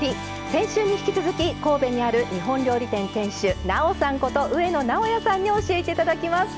先週に引き続き神戸にある日本料理店店主なおさんこと上野直哉さんに教えていただきます。